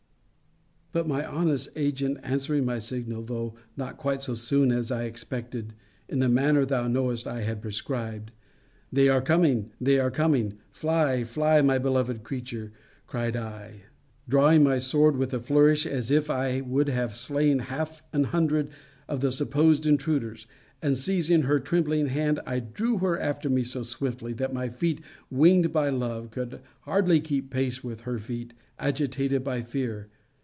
But my honest agent answering my signal, though not quite so soon as I expected, in the manner thou knowest I had prescribed, They are coming! They are coming! Fly, fly, my beloved creature, cried I, drawing my sword with a flourish, as if I would have slain half an hundred of the supposed intruders; and, seizing her trembling hands, I drew her after me so swiftly, that my feet, winged by love, could hardly keep pace with her feet, agitated by fear.